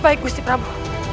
baik gusti prabu